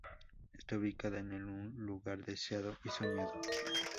Está ubicada en un lugar deseado y soñado.